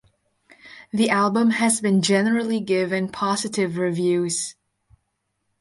The album has been generally given positive reviews.